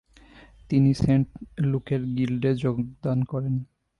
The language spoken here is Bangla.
তিনি সেন্ট লুকের গিল্ডে যোগদান করেন।